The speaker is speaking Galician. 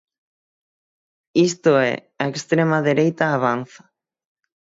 Isto é, a extrema dereita avanza.